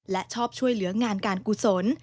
และชอบช่วยเหลืองานการกุศล